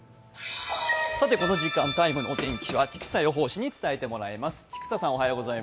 この時間「ＴＩＭＥ，」のお天気は千種予報士に伝えてもらいます。